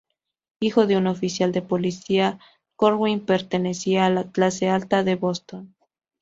Hijo de un oficial de policía, Corwin pertenecía a la clase alta de Boston.